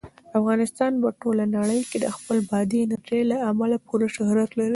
افغانستان په ټوله نړۍ کې د خپلې بادي انرژي له امله پوره شهرت لري.